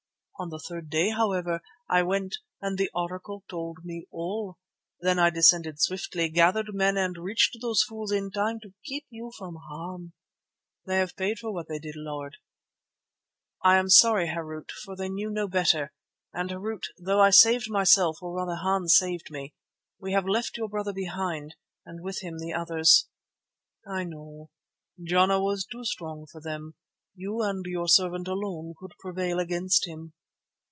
On the third day, however, I went and the Oracle told me all. Then I descended swiftly, gathered men and reached those fools in time to keep you from harm. They have paid for what they did, Lord." "I am sorry, Harût, for they knew no better; and, Harût, although I saved myself, or rather Hans saved me, we have left your brother behind, and with him the others." "I know. Jana was too strong for them; you and your servant alone could prevail against him."